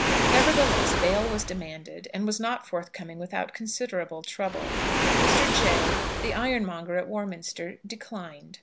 Nevertheless bail was demanded, and was not forthcoming without considerable trouble. Mr. Jay, the ironmonger at Warminster, declined.